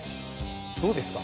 どうですか？